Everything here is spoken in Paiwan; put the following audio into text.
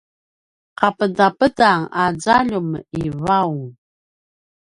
’apedapedang a zaljum i vaung